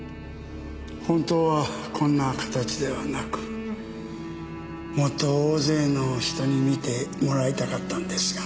本当はこんな形ではなくもっと大勢の人に見てもらいたかったのですが。